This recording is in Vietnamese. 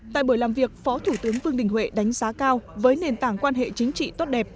tại buổi làm việc phó thủ tướng vương đình huệ đánh giá cao với nền tảng quan hệ chính trị tốt đẹp